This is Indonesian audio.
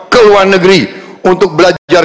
ke luar negeri untuk belajar